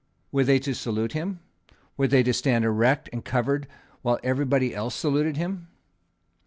Were they to salute him? Were they to stand erect and covered while every body else saluted him?